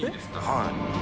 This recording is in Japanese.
はい。